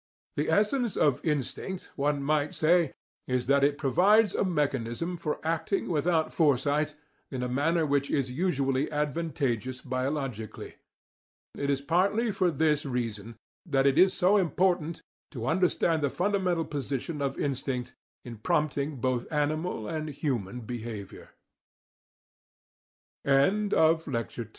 The essence of instinct, one might say, is that it provides a mechanism for acting without foresight in a manner which is usually advantageous biologically. It is partly for this reason that it is so important to understand the fundamental position of instinct in prompting both an